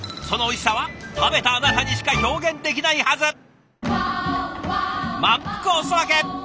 そのおいしさは食べたあなたにしか表現できないはず。